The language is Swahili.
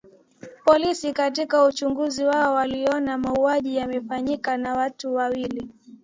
Polisi katika uchunguzi wao waliona mauaji yamefanyika na watu wawili